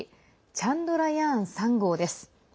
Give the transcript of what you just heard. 「チャンドラヤーン３号」です。